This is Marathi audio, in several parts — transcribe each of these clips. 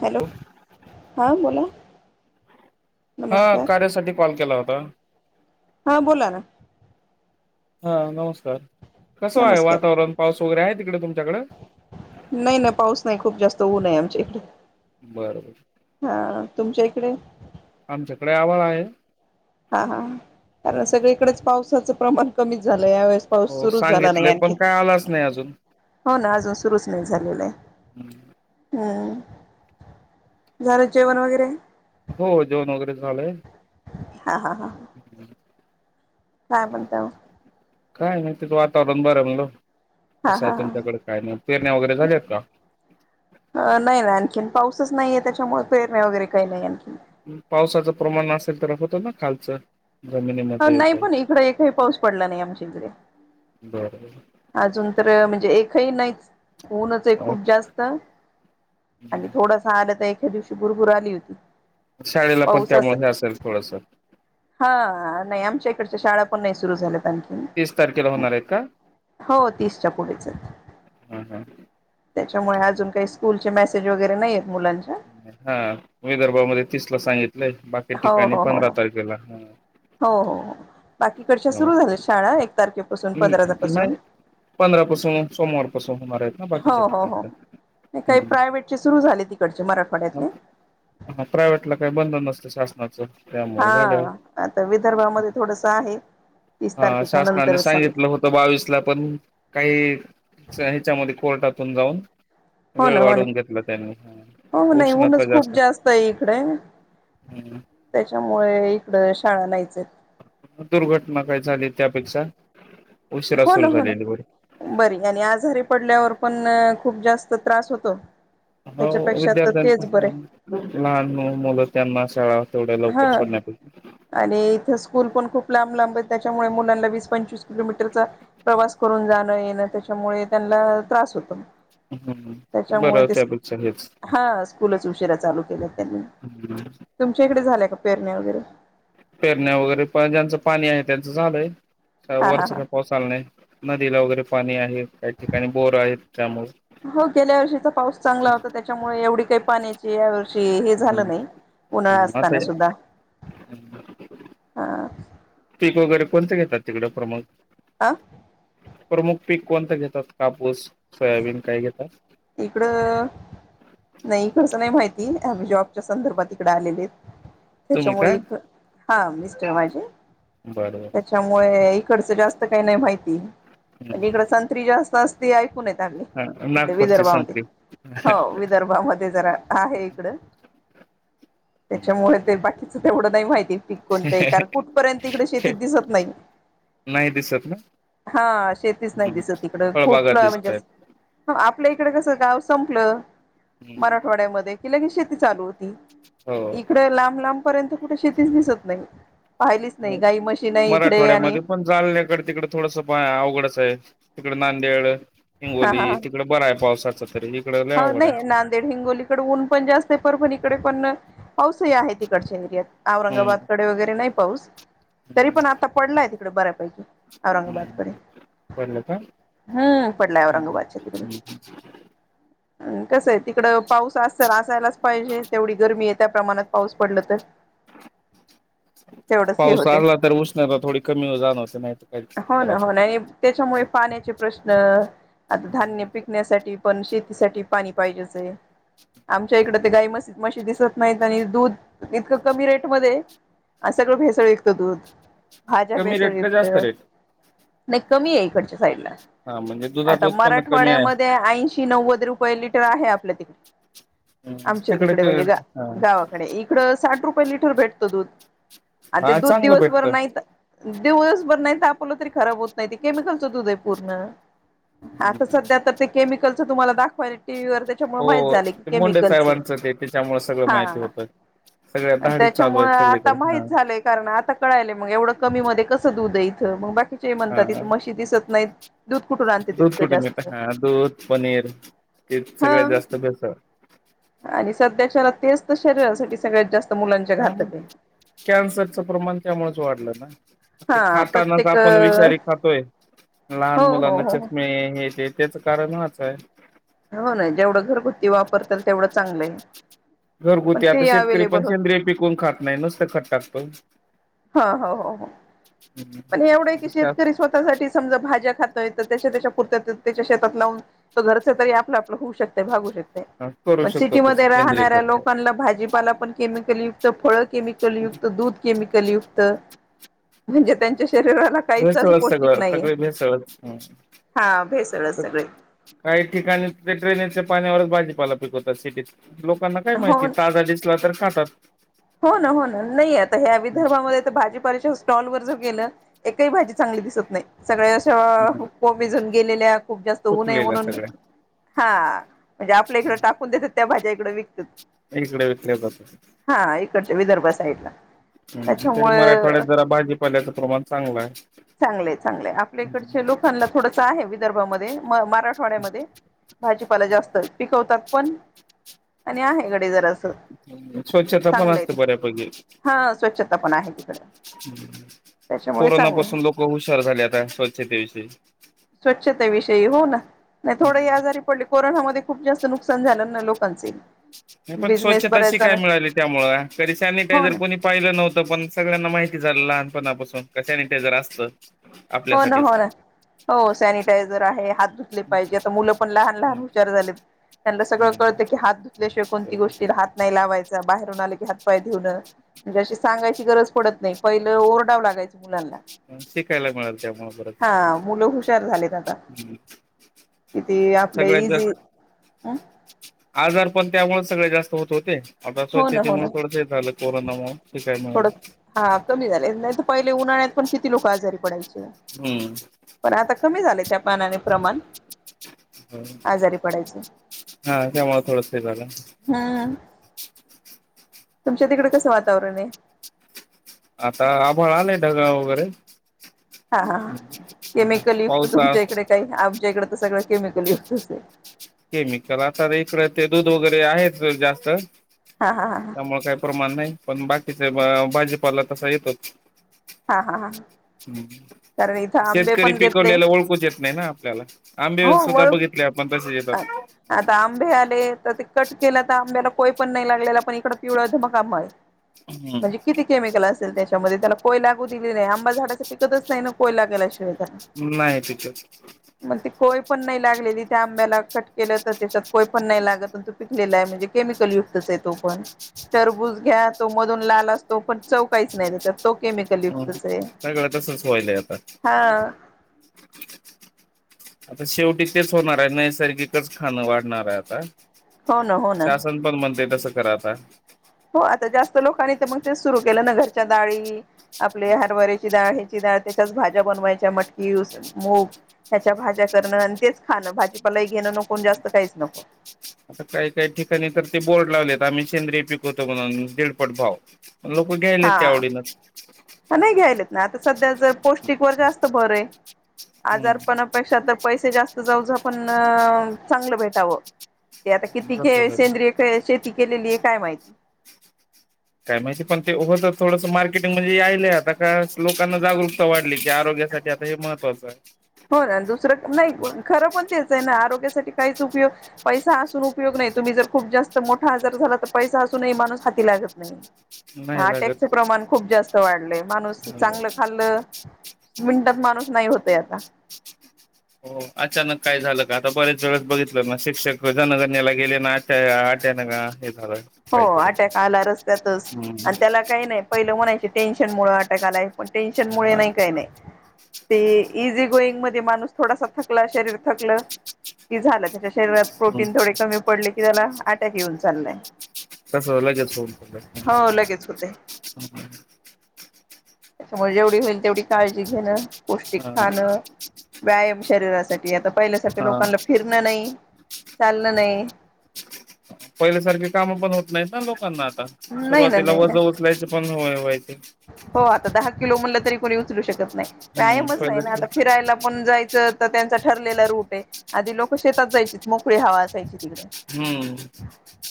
हॅलो हा बोला हा नमस्कार कार्यासाठी कॉल केला होता आ हा बोला ना हा नमस्कार कसं आहे नमस्कार वातावरण पाऊस आहे तिकडे तुमच्याकडे नाही नाही पाऊस नाही खूप जास्त तऊ नाही आमचे इकडे बरोबर हा तुमच्या इकडे आमच्याकडे आभार आहे हा हा कारण सगळीकडेच पावसाच प्रमाण कमी झा या वेळेस पाऊस हो सुरु झाला नाही सांगितलंय आणखी पण काय आलाच नाही अजून हो ना अजून सुरूच नाही झाले आहे् झालं जेवण वगैरे हो जेवन वगैरे झालंय हा हा हा काय म्हणता [unintelligible] काय नाही तिथं वातावरण बरं म्हणलं... हा कसं हा आहे तुमच्याकडे काय नाही पेरण्या वगैरे झाल्यात का? हा नाही ना आणखीन पाऊसच नाहीये त्याच्यामुळे प्रेरणा वगैरे काही नाही अजुन.. पावसाचं प्रमाण असेल तर होतं ना खालचं. हा जमिनीमध्ये नाही काही पण इकड एकही पाऊस पडला नाही आमच्या इकडे. बरं अजून तर म्हणजे एकही नाहीच. ऊनच आहे खूप जास्त आणि थोडसा आलं तर एख्या दिवशी.... भरपूर आली होती. शाळेला पण पाऊस असं त्यामुळे असेल थोडस.... ह नाही आमच्या इकडच्या शाळा पण नाही सुरू झाल्या. तीस तारखेला होणार आहेत का? हो तीसच्या पुढेच आहेत ह ह त्याच्यामुळे अजून काही... स्कूलचे मेसेज वगैरे नाही येत.... हा विदर्भामध्ये तिसला सांगितल. बाकी हो ठिकाणी हो हो पंधरा हो तारखेला... हो हो हो बाकीकडच्या सुरू झाल्या शाळा. तारखेपासून ह् पंधरापासून नाही पंधरा पासून सोमवार पासून होणार आहेत ना हो बाकीच्या हो हो ठिकाणच्या नाही काही प्रायव्हेटचे सुरू झाले तिकडचे मराठवाड्यातले प्रायवेट ला काही बंद नसत. अच्छा हा आता विदर्भामध्ये थोडस आहे. तीस हा तारखेच्या शासनाने नंतरच सांगितलं होत बावीस ला पण काही ह्याच्यामध्ये... कोर्टातून जाऊन... हो वेळ ना हो ना वाढवून घेतला त्यांनी. हा. हो नाही ऊनच खूप जास्त आहे इकडे हम्म. त्याच्यामुळे इकड शाळा नाही.. दुर्घटना काय झाली त्यापेक्षा... उशिरा हो ना सुरू हो ना झालेली होती. बरी आणि आजारी पडल्यावर पण खूप जास्त... त्रास होतो. त्याच्यापेक्षा तर तेच बरे [unintelligible] हा सोडण्यापेक्षा आणि इथे स्कूल पण खूप लांब लांब... त्याच्यामुळे मुलांना वीस पंचवीस किलोमीटरचा प्रवास करून जाणं येणं त्याच्यामुळे त्यांना त्रास होतो. हम्म त्याच्यामुळे बरं ते त्यापेक्षा हेच हा स्कूलच उशीरा.... चालू केले. हम्म झाल्याय का पेरणे वगैरे पेरण्या वगैरे पण ज्यांचं पाणी आहे त्यांचं झालंय हा हा वरष हा काय पाऊस आचाला नाही नदीला वगैरे पणी आहे काही ठिकाणी बोर आहेत त्यामुळे हो गेल्या वर्षीचा पाऊस चांगला होता त्याच्यामुळे एवढी काही पाण्याची या वर्षी हे झालं हम्म नाही उन्हाळा असताना आता सुद्धा ह बोलत घेतात तिकडे प्रमुख आ प्रमुख पीक कोणतं घेतात कापूस सोयाबीन काय घेतात इकडं म्ही जॉबच्या संदर्भात इकडे आलेले आहेत तुम्ही त्याच्यामुळे का एक हा मिस्टर माझे बरं त्याच्यामुळे खर्च जास्त काही नाही माहिती म्हणजे बरं इकड संत्री जास्त असते ऐकून येत आली ह नागपूरची विदर्भामध्ये संत्री हो विदर्भामध्ये जरा आहे इकड त्याच्यामुळे ते बाकीच ए नाही माहिती प कोणत कार कुठपर्यंत इकडे शेतीत दिसत नाही नाही दिसत ना हा शेतीच नाही दिसत इकड खूप फळबागात म्हणजे दिसतायत. आपल्या इकडे कसं गाव संपलं मराठवाड्यामध्ये कि ल की शेतती ते लू हो इकड लांब लांब पर्यंत कुठे शेतीच दिसत नाही पाहिलीच नाही काही मशीन आहे इकडे आणि मराठवाड्यामध्ये पण जालन्याकडे इकड नाड्याे हा हा तरी इकडं लय ह अवघड आहे. नाही नांदेड हिंगोलीकडे ऊन पण जास्त परफणी तकडे पण पाऊसही आहे तिकडचेंदियत हम्म औरंगाबादकडे वगैरे नाही पाऊस तरी पण आता पडलाय बऱ्या पाहिजे औरंगाबाद प हम्म हम्म पडलाय औरंगाबादच्या तिकडे हम् ह् कसं आहे तिकडं पाऊस असल असायलाच पाहिजे तेवढी गरमी आहे त्या प्रमाणात पाऊस पडल तर तेवढच हे पाऊस होत आला तर उष्णता थोडी कमी जाणवते नाही तर काही हो ना त्रास हो ना होत आणि त्याच्यामुळे पाण्याचे प्रश्न आता धान्य पिकण्यासाठी पण शेतीसाठी पाणी पाहिजेच आमच्या इकड ते गाई मशी मशी दिसत नाहीत आणि दूध इतकं कमी रेटमध्येध्ये सगळं भेसळ एकतं दूध भाज्या कमी रेट का भेसळयुक्त जास्त रेट नाही कमी आहे इकडच्या साईडला हा म्हणजे दुधाचं आता उत्पन्न कमी आहे. मराठवाड्यामध्ये ऐंशी नव्वद रुपये लिटर आहे आपल्या तिकडे आमच्या तिकडे ते म्हणजे हा गावाकडे इकड साठ रुपये लिटर भेटत दूध आणि ते हा दूध चांगलं दिवसभर नाही भेटत. दिवसभर नाही तापलं तरी खराब होत नाही ते केमिकलचत उदय पूर्ण आता सध्या तर तेम तुम्हाला दाखय टी व्ही व त्याच्यामुळे हो माहित झालं की ते मुंडे केमिकल साहेबांचं ते त्याच्यामुळे सगळं माहिती हा होतं. सगळ्या धाडी चालू त्याच्यामुळे आहेत आता सगळीकडे हा माहित झालंय कारण आता कळाय मग एवढं कमी मध्ये कसं दूध आहे इथं मग म्हणतात त हा मशी दिसत नाही दूध कुठून आणते त कुटब हा दूध पनीर ते हा सगळ्यात जास्त भेसा अध्यक्षर तस ह मग आहे कॅन्सरच प्रमाण त्यामुळेच वाढलं ना ते हा खातानाच प्रत्येक आपण विषारी खातोय लहान हो हो मुलांना हो चषमे हे ते त्याच कारण हच आहे हो ना जेवढं घरगुती वापरता तेवढं चांगलं आहे पण घरगुती आता ते शेतकरी पण अवेलेबल होत सेंद्रिय पिकवून खात नाही नुसतं खट टाकत हो हो हो हो पण हे एवढं आहे की आता शेतकरी त्यात स्वतःसाठी समजा भाज्या खातोय तर त्याच्या त्याच्या पुर त्याच्या शेतात लावून घरच तरी आपला करू शकतो तसं सी सेंद्रिय राऱ्या खत. लोकांना भाजीपाला प केमल यु फळ केमिकलु दधमल [inaudible] युक्त म्हणजे त्यांच्या शरीराला काहीच असं भेसळच पौष्टिक सगळं नाहीये सगळे भेसळच हा भेसळच सगळे काही ठिकाणी ते ड्रेनेजच्या पाण्यावरच भाजी पाला पिकवतात लोकांना काय हो माहिती ताजा दिसला तर खा तर हो ना हो ना नाही आता या विदर्भामध्ये तर भाजीपाल्याच्या स्टॉल वर जर गेलं एकही भाजी चांगली दिसत नाही सगळ्या हम्म. कोबीजून गेलेल्या खूप जास्त ऊने सुकलेल्या म्हणून सगळ्या हा म्हणजे आपल्या इकडे टाकून देतात त्या भाज्या विकत [unintelligible] च्या विदर्भा साईड ला तरी मराठवाड्यात जरा भाजीपाल्याचा प्रमाण चांगलाय. चांगलंय चांगलंय आपल्याकडच्या लोकांना थोडंस आहे विदर्भामध्ये मराठवाड्यामध्ये भाजीपाला जास्त पिकवत पण आणि आहे ईकडे जरास, स्वच्छता पण असते बऱ्यापैकी, हा स्वच्छता पण आहे तिकडे त्याच्यामुळे कोरोना चांगले आहे पासून लोक हुशार झाले आता स्वच्छतेविषयी. ते हो ना नाही थोडं ह आजारी पडले कोरोनामध्ये खूप जास्त नुकसान झालं ना लोकांचे नाही पण बिझनेस स्वच्छता बऱ्याच शीकाय जण मिळाली त्यामुळ कधी हो सॅनिटायझर ना कोणी पाहिलं नव्हतं पण सगळ्यांना माहिती झाल लहानपणापासून की सॅनिटायझर असत हो ना हो ना हो सॅनिटायझर आहे हात पाहिजे आता मुलं पण लहान लहान हुशार झालेत त्यांना सगळं कळतं हम्म की हात धुतल्याशिवाय कोणत्या गोष्टीला हात नाही लावायचा बाहेरून आलं की हातपाय धुणं म्हणजे सांगायची गरज पडत नाही नाही पहिलं ओरडावं लागायचं मुलांना शिकायला मिळाल त्यामुळे बरंच हा मुलं हुशार झालेत आता किती आपलं सगळ्यात इझी जास्त हं आजार पण त्यामुळे सगळे जास्त होत होते. आता असं ना हो ना स्वच्छतेमुळे थोडंच झालं कोरोनामुळे शिकाय थोडं मिळालं. हा कमी झाले नाही तर पहिले उन्हाळ्यात पण किती लोक आजारी पडायची हम्म पण आता कमी झालय त्यामानाने प्रमाण आजारी पडायचे हा त्यामुळे थोडस हे झालं. हम्म तुमच्या तिकड कसं वातावरण आहे. आता आभळ आलंय ढगाळ वगैरे हा केमिकल युक्त पावसा तुमच्या इकडे काही आमच्या इकडे तर सगळं केमिकल युक्तच ये. केमिकल आता इकडं ते दूध वगैरे आहे जास्त. हा हा हा त्यामुळे काही प्रमाण नाही. पण बाकीचा भाजीपाला तसा येतोच हा हा हा ह कारण इथं आंबे शेतकरी पण घेतले पिकवलेला ओळखूच येत नाही ना आपल्याला आंबे हो सुद्धा वळू बघितले आपण तसेेत आता आंबे आले तर कट केला तर आंब्याला कोय पण नाही लागलेला इक पिव म्हणजे किती केमिकल त्याच्यामध्ये त्याला कोय लागू दिले नाही आंबा झाडां पिकतच नाही ना कोय लागायला शिवाय नाही पिच ती कोय पण नाही लागलेली त्या आबला कट केलं तर त्याच्यात कोय पण नाही लागत तो पिकलेला आहे म्हणजे केमिकल युक्तच आहे तो पण टरबूज घ्या तो मधून लाल असतो पण चौ काहीच नाही त्याच्यात तो केमिकल ह युक्तच आहे काय कळ तसच वयलय आता हा आता शेवटी तेच होणार आहे नैसर्गिकच खाणं वाढणार आहे आता हो ना हो ना शासन पण म्हणते. कसं कराता? हो आता जास्त लोकांनी तर मग तेच सुरू केलं ना घरच्या डाळी आपले हरवऱची डाळ ह्याची डाळ त्याच्याच भाज्या बनवायच्या मटकी मूग ह्याच्या भाज्या करणं आणि तेच खाणं भाजीपाला घेणं नको जास्त काहीच नको. आता काही काही ठिकाणी तर ते बोर्ड लावलेत आम्ही सेंद्रिय पिकवतो म्हणून दीडपट भाव. लोकं घ्यायले त्या हा आवडीनच नाही घ्यायलेत ना आता सध्या जर पौष्टिक वर जास्त बरं आहे. हम्म आजारपणापेक्षा तर पैसे जास्त जाऊ जा आपण चांगलं भेटावं. ते आता किती घे सेंद्रिय शेती केलेली आहे काय माहिती. काय माहिती पण तेच थडसं मार्केटिंग य आता लोकांना जा. सय की आरोग्यासाठी आता हे महत्वाचं आहे. हो ना दुसरं नाही खरं पण तेच आहे ना आरोग्य. काहीच उपयोग पैसा असून उपयोग नाही तुम्ही जर खूप जास्त मोठा आजार झाला तर पैसा असूनही माणूस हाती लागत नाही. हा नाही लागत टॅक्च प्रमाण खूप जास्त वाढलेय माणूस चांगलं खाल्ल. मिनटात माणूस नाही होतय आता [inaudible] हो अचानक काय झालं का आता बरेच वेळेस बघित शिक्षक जनगण्यला गेले ना आट्यानाग इला हो काहीतरी अटॅक आला रस्त्यातच हम्म आणि त्याला काही नाही पहिलं म्हणायचे टेन्शन मु अटक आलाय मग टेन्शन मु नाही हा काही नाही ते इझी गोईंग मध्ये माणूस थोडासा थकला शरीर थकलं की झालं त्याच्या शरीरात प्रोटीन थोडे कमी पडले त्याला अटक येऊन चाललय कसलाच फनला लगेच होते अच्छा मग जेवढी होईल तेवढी काळजी घेणं पौष्टिक खाण व्यायाम शरीरासाठी आता पहिल्यासारख्या लोकांना फिरणं नाही चाललं नाही पहिल्यासारखी कामं पण होत नाहीत ना लोकांना नाही ना सुरुवातीला नाही ना वज उचलायचे पण हो हो आता दहा किलो म्हणलं तरी कोणी उचलू शकत नाही हम्म व्यायामच नाही ना पहिले आता फिरायला पण जायचं तर त्यांचा ठरलेला रूट आहे आधी लोक शेतात जायची मोकळी हवा असायची हम्म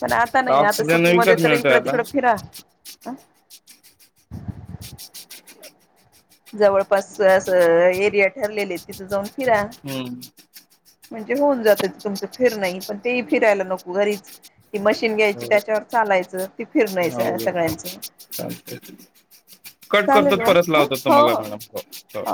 पण आता नाही आता ऑक्सिजन विकत सिटीमध्येध्ये तर मिळतोय इकडं आता तिकड फिरा अ जवळपास अस एरिया ठरलेले तिथं जाऊन फिरा हम् म्हणजे होऊन जात तुमचं फिरण पण तेही फिरायला नको घरीच ती मशीन घ्यायची हो त्याच्यावर चालायचं त फिर नाहीच हा उघडत सगळ्यांचं चालत कट चालेल करतात परत मग लावतात हो तुम्हाला हो मॅडम हो